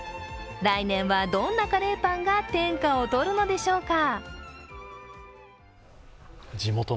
来年は、どんなカレーパンが天下を取るのでしょうか。